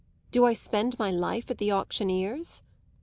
Do I spend my life at the auctioneer's?"